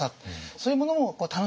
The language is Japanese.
そういうものも楽しんで。